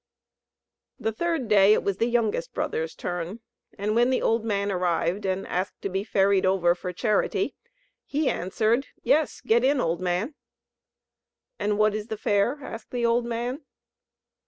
The third day it was the youngest brother's turn; and when the old man arrived, and asked to be ferried over for charity, he answered: "Yes, get in, old man." "And what is the fare?" asked the old man.